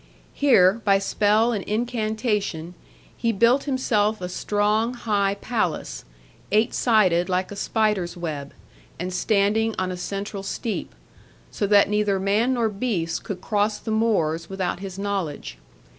Here, by spell and incantation, he built himself a strong high palace, eight sided like a spider's web, and standing on a central steep; so that neither man nor beast could cross the moors without his knowledge.